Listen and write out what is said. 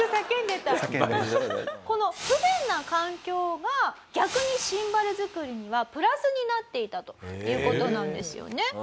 この不便な環境が逆にシンバル作りにはプラスになっていたという事なんですよね。